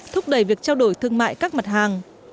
thúc đẩy việc trao đổi thương mại các mặt hàng